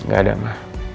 gak ada ma